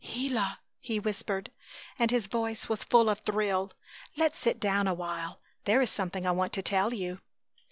"Gila," he whispered, and his voice was full of thrill. "Let's sit down awhile! There is something I want to tell you!"